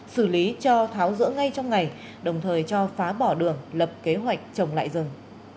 xử lý cho tháo rỡ ngay trong ngày đồng thời cho phá bỏ đường lập kế hoạch trồng lại rừng